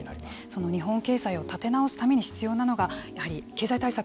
その日本経済を立て直すために必要なのがやはり経済対策